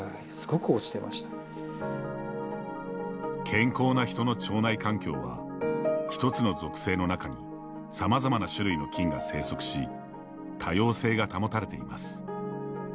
健康な人の腸内環境は１つの属性の中にさまざまな種類の菌が生息し多様性が保たれています。